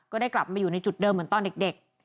ก็ได้กลับมาอยู่ในจุดเดิมเหมือนตอนเด็ก